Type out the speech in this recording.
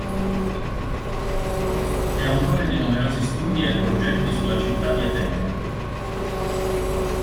È autore di numerosi studi e progetti sulla città di Atene.